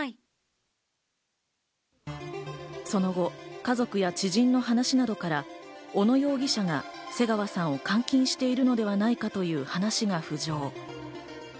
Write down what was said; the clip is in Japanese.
その後、家族や知人の話などから小野容疑者が瀬川さんを監禁しているのではないかという話が浮上。